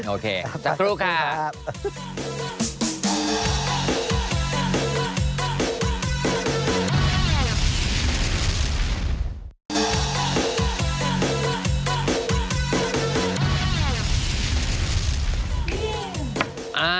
โอเคจัดกรุวค่ะ